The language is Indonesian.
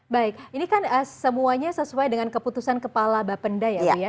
baik ini kan semuanya sesuai dengan keputusan kepala bapenda ya bu ya